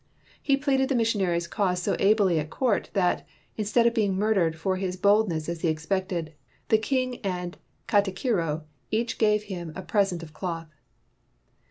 He pleaded the mis sionaries' cause so ably at court that, in stead of being murdered for his boldness as he expected, the king and katikiro each gave him a present of cloth.